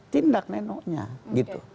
tindak nenoknya gitu